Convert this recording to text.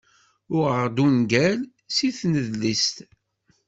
Uɣeɣ-d ungal si tnedlist.